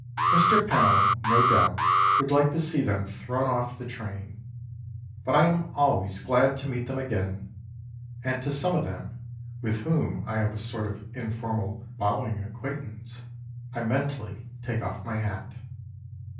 Mr. Pennell no doubt would like to see them thrown off the train, but I am always glad to meet them again, and to some of them, with whom I have a sort of informal bowing acquaintance, I mentally take off my hat.